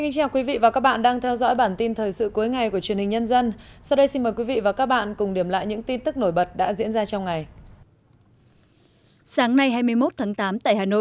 các bạn hãy đăng ký kênh để ủng hộ kênh của chúng mình nhé